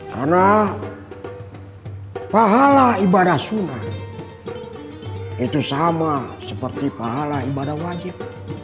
karena pahala ibadah sunnah itu sama seperti pahala ibadah wajib